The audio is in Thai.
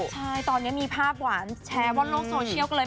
ใช่ตอนนี้มีภาพหวานแชร์บนโลกโซเชียลก็เลย